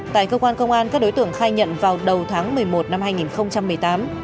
tại cơ quan công an các đối tượng khai nhận vào đầu tháng một mươi một năm hai nghìn một mươi tám